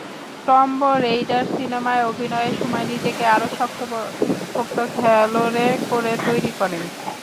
Tomb Raider সিনেমায় অভিনয়ের সময়ে নিজেকে আরও শক্তপোক্ত খেলুড়ে করে তৈরি করেন।